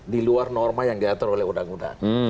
di luar norma yang diatur oleh undang undang